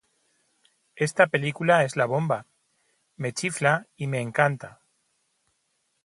Esta película es la bomba. Me chifla y me encanta